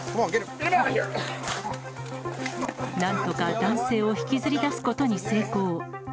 なんとか男性を引きずり出すことに成功。